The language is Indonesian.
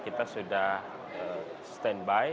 kita sudah standby